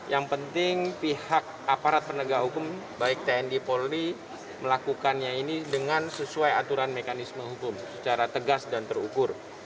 yang penting pihak aparat penegak hukum baik tni polri melakukannya ini dengan sesuai aturan mekanisme hukum secara tegas dan terukur